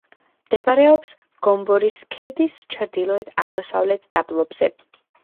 მდებარეობს გომბორის ქედის ჩრდილო-აღმოსავლეთ დაბოლოებაზე.